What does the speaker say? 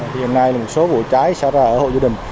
hiện nay một số vụ cháy xả ra ở hộ gia đình